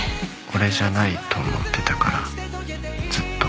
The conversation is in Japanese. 俺じゃないと思ってたからずっと。